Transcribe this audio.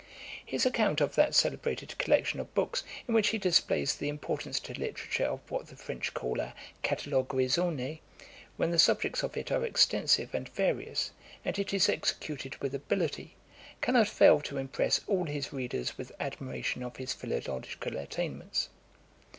'[*] His account of that celebrated collection of books, in which he displays the importance to literature of what the French call a catalogue raisonné, when the subjects of it are extensive and various, and it is executed with ability, cannot fail to impress all his readers with admiration of his philological attainments.